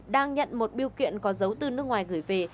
đang nhận một biêu kiện có dấu từ nước ngoài gửi về